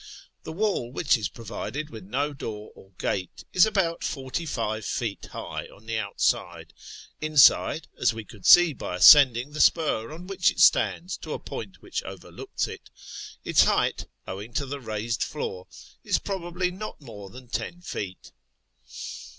The wall, which is provided with no door or gate, is about forty five feet high on the outside ; inside (as we could see by ascending the spur on which it stands to a point which overlooks it) its height, owing to the raised floor, is probably not more than ten feet.